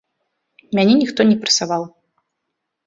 Мяне ніхто не прасаваў.